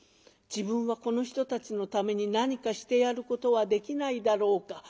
「自分はこの人たちのために何かしてやることはできないだろうか。